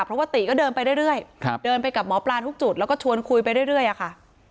เพราะว่าติก็เดินไปเรื่อยเดินไปกับหมอปลาทุกจุดแล้วก็ชวนคุยไปเรื่อยอะค่ะ